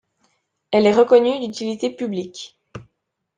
Elle est reconnue d’utilité publique.